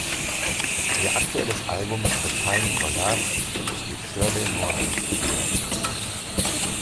Ihr aktuelles Album "A Time for Love" ist durch Shirley Horn inspiriert.